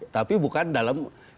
tapi bukan dalam